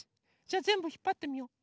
じゃあぜんぶひっぱってみよう。